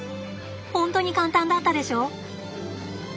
本当に簡単だったでしょ？